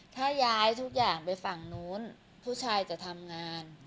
ถ้าย้ายทุกอย่างไปฝั่งนู้นผู้ชายจะทำงาน